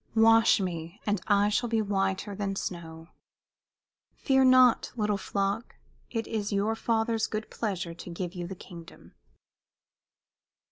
"Wash me, and I shall be whiter than snow." "Fear not, little flock. It is your Father's good pleasure to give you the kingdom."